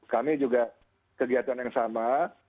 kami juga kegiatan yang sama